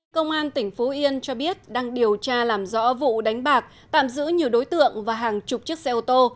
công an tỉnh phú yên cho biết đang điều tra làm rõ vụ đánh bạc tạm giữ nhiều đối tượng và hàng chục chiếc xe ô tô